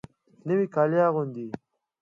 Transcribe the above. نوي کالي اغوندې